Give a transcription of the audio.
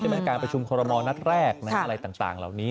เป็นการประชุมคอรมณ์นัดแรกอะไรต่างเหล่านี้